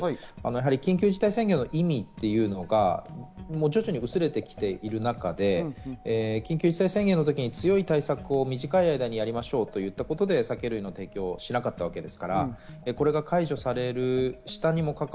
緊急事態宣言の意味というのが薄れてきている中で、緊急事態宣言の時に強い対策を短い間にやりましょうと言ったことで酒類の提供をしなかったわけです。